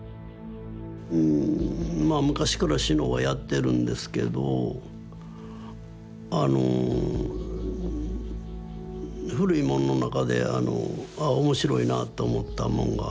まあ昔から志野はやってるんですけどあの古いもんの中であのああ面白いなって思ったもんがあって。